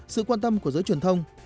sự quan tâm của giới truyền thông